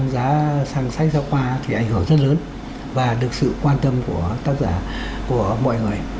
giá sang sách giáo khoa thì ảnh hưởng rất lớn và được sự quan tâm của tác giả của mọi người